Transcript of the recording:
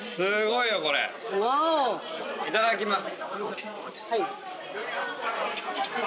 いただきます！